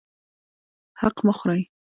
حق مه خورئ